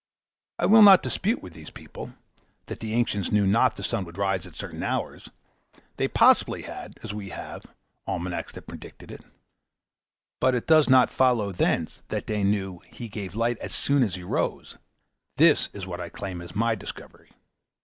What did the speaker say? I will not dispute with these people, that the ancients knew not the sun would rise at certain hours; they possibly had, as we have, almanacs that predicted it; but it does not follow thence, that they knew he gave light as soon as he rose. This is what I claim as my discovery.